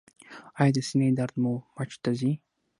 ایا د سینې درد مو مټ ته ځي؟